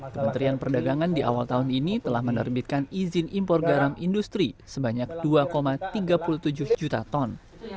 kementerian perdagangan di awal tahun ini telah menerbitkan izin impor garam industri sebanyak dua tiga puluh tujuh juta ton